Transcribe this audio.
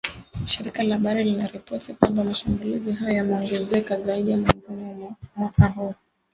Shirika la habari linaripoti kwamba mashambulizi hayo yameongezeka zaidi ya mwanzoni mwa mwaka huu